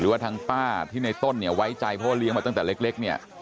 ว่าทางป้าที่ในต้นเนี่ยไว้ใจเพราะว่าเลี้ยงมาตั้งแต่เล็กเนี่ย